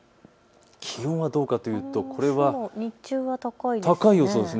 気温はどうかというと日中は高い予想です。